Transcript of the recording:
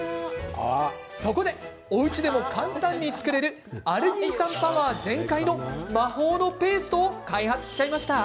そこで、おうちでも簡単に作れるアルギン酸パワー全開の魔法のペーストを開発しちゃいました。